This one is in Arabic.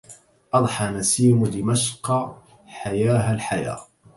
أضحى نسيم دمشق حياها الحيا